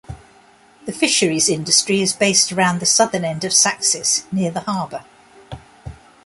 The fisheries industry is based around the southern end of Saxis near the harbor.